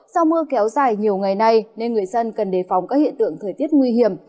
do mưa kéo dài nhiều ngày nay nên người dân cần đề phòng các hiện tượng thời tiết nguy hiểm